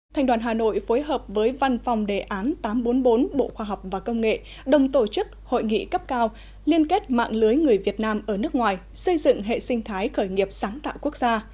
thành đoàn hà nội phối hợp với văn phòng đề án tám trăm bốn mươi bốn bộ khoa học và công nghệ đồng tổ chức hội nghị cấp cao liên kết mạng lưới người việt nam ở nước ngoài xây dựng hệ sinh thái khởi nghiệp sáng tạo quốc gia